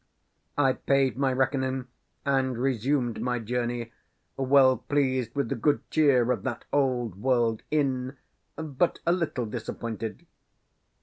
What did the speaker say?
I paid my reckoning, and resumed my journey, well pleased with the good cheer of that old world inn, but a little disappointed.